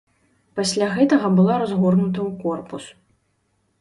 Пасля гэтага была разгорнута ў корпус.